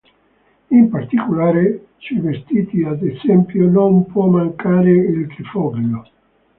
In particolare, sui vestiti ad esempio, non può mancare il trifoglio.